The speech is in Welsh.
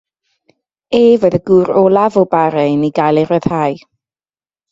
Ef oedd y gwr olaf o Bahrain i gael ei ryddhau.